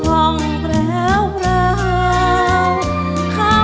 นางเดาเรืองหรือนางแววเดาสิ้นสดหมดสาวกลายเป็นขาวกลับมา